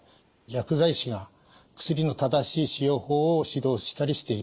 薬剤師が薬の正しい使用法を指導したりしています。